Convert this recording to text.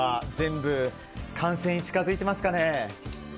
完成に近づいてますかね？